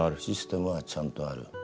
システムはちゃんとある。